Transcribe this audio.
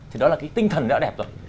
thì đó là cái tinh thần đã đẹp rồi